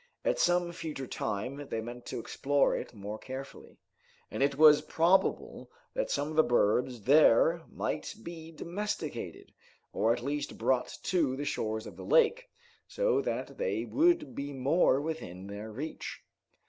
At some future time they meant to explore it more carefully, and it was probable that some of the birds there might be domesticated, or at least brought to the shores of the lake, so that they would be more within their reach.